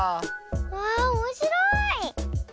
わあおもしろい！